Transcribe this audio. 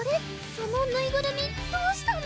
そのぬいぐるみどうしたの？